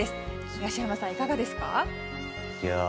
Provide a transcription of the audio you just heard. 東山さん、いかがですか？